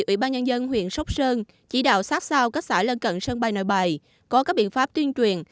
ủy ban nhân dân huyện sóc sơn chỉ đạo sát sao các xã lân cận sân bay nội bài có các biện pháp tuyên truyền